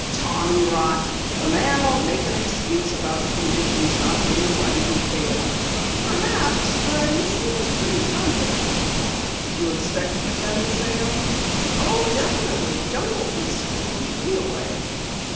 "Tommyrot! The man will make an excuse about the conditions not being right, and fail." "Perhaps, but he seems pretty confident." "You expect to attend the séance?" "Oh, definitely. Jungle beasts couldn't keep me away."